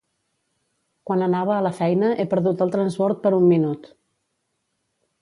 Quan anava a la feina he perdut el transbord per un minut.